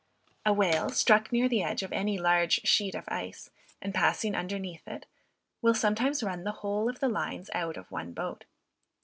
A whale, struck near the edge of any large sheet of ice, and passing underneath it, will sometimes run the whole of the lines out of one boat.